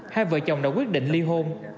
hai vợ chồng đã quyết định ly hôn